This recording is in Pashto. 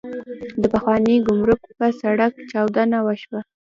د پخواني ګمرک پر سړک چاودنه وشوه.